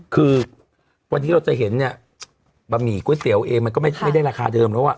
คือวันนี้เราจะเห็นเนี่ยบะหมี่ก๋วยเตี๋ยวเองมันก็ไม่ได้ราคาเดิมแล้วอ่ะ